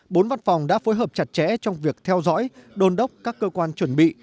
bốn văn phòng đã phối hợp chặt chẽ trong việc theo dõi đồn đốc các cơ quan chuẩn bị